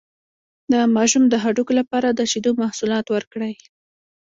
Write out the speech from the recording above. د ماشوم د هډوکو لپاره د شیدو محصولات ورکړئ